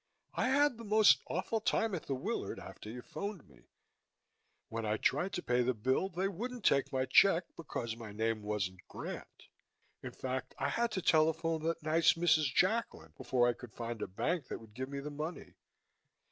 I had the most awful time at the Willard after you phoned me. When I tried to pay the bill they wouldn't take my check because my name wasn't Grant. In fact, I had to telephone that nice Mrs. Jacklin before I could find a bank that would give me the money.